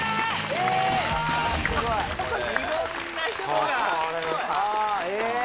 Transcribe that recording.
・いろんな人が！